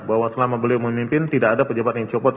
bahwa selama beliau memimpin tidak ada pejabat yang copot